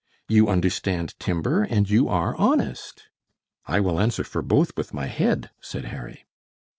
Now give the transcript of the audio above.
You understand timber, and you are honest." "I will answer for both with my head," said Harry.